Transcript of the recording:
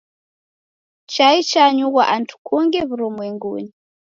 Chai chanyughwa andu kungi w'urumwengunyi.